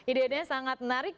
ide ide sangat menarik